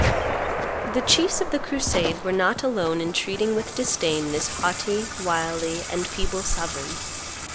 The chiefs of the crusade were not alone in treating with disdain this haughty, wily, and feeble sovereign.